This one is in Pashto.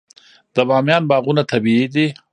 د بامیان باغونه طبیعي دي.